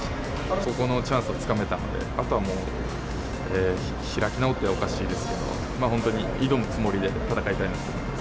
ここのチャンスをつかめたんで、あとはもう、開き直ってはおかしいですけど、本当に挑むつもりで戦いたいなと思います。